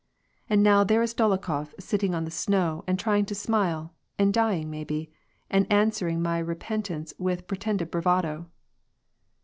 And now there is Dolokhof sitting on the snow, and trying to smile, and dying maybe, and answer ing my repentance with pretended bravado